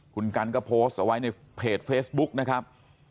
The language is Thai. คุณกันก็โพสต์เอาไว้ในเพจเฟซบุ๊กนะครับ